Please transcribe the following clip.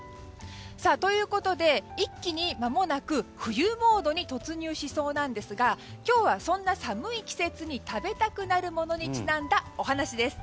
ということで一気にまもなく冬モードに突入しそうなんですが今日はそんな寒い季節に食べたくなるものにちなんだお話です。